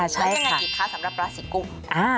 ใช่ค่ะแล้วยังไงอีกคะสำหรับราศีกุม